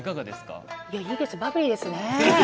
いいですね、バブリーですね。